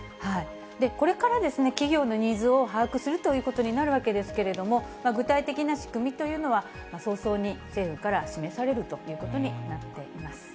これからですね、企業のニーズを把握するということになるわけですけれども、具体的な仕組みというのは、早々に政府から示されるということになっています。